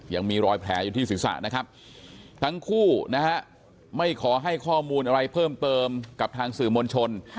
ยังมีรอยแผลอยู่ที่ศีรษะนะครับทั้งคู่นะฮะไม่ขอให้ข้อมูลอะไรเพิ่มเติมกับทางสื่อมวลชน